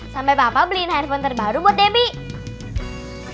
sampai papa beliin handphone terbaru buat debbie